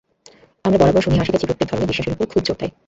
আমরা বরাবর শুনিয়া আসিতেছি, প্রত্যেক ধর্মই বিশ্বাসের উপর খুব জোর দেয়।